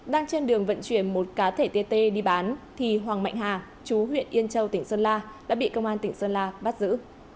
đang trên đường vận chuyển một cá thể tt đi bán thì hoàng mạnh hà chú huyện yên châu tỉnh sơn la đã bị công an tỉnh sơn la bắt giữ